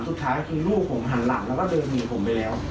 สุดท้ายก็คือลูกผมหันหลังแล้วก็เดินหนีผมไปแล้ว